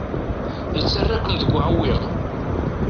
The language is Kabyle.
Nettarra-kem deg uɛewwiq.